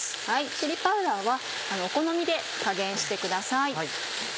チリパウダーはお好みで加減してください。